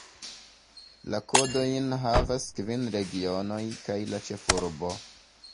La kodojn havas kvin regionoj kaj la ĉefurbo.